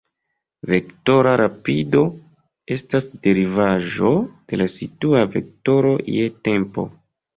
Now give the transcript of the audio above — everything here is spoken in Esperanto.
Vektora rapido estas derivaĵo de la situa vektoro je tempo.